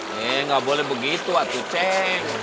ya gak boleh begitu waktu cek